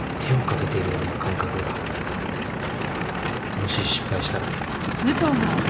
もし失敗したら。